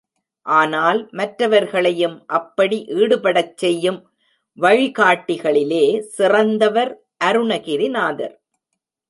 ஆனால் மற்றவர்களையும் அப்படி ஈடுபடச் செய்யும் வழிகாட்டிகளிலே சிறந்தவர் அருணகிரிநாதர்.